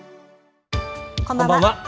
こんばんは。